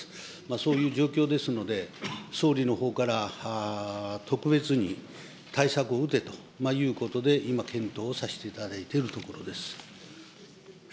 そういう状況ですので、総理のほうから特別に対策を打てということで、今、検討させていただいているところです。